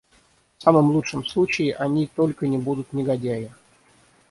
В самом лучшем случае они только не будут негодяи.